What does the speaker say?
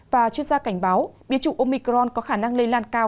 và chuyên gia cảnh báo biến chủng omicron có khả năng lây lan cao